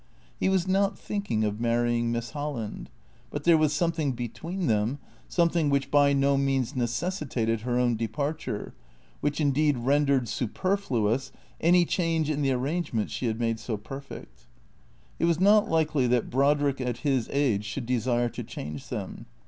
He was not thinking of marrying Miss Holland. But there was something between them, something which by no means necessitated her own departure, which indeed rendered super fluous any change in the arrangements she had made so perfect. It was not likely that Brodrick, at his age, should desire to change them.